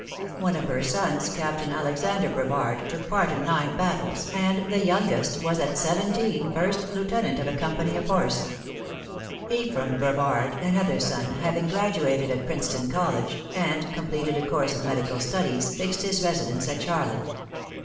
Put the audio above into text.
One of her sons, Captain Alexander Brevard, took part in nine battles, and the youngest was at seventeen first lieutenant of a company of horse. Ephraim Brevard, another son, having graduated at Princeton College, and completed a course of medical studies, fixed his residence at Charlotte.